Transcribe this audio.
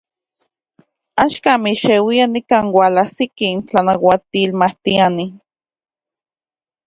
Axkan, mixeuia, nikan ualajsiki tlanauatilmatiani.